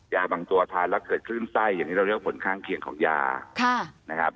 ยาบางตัวทานแล้วเกิดขึ้นไส้อย่างนี้เราเรียกว่าผลข้างเคียงของยา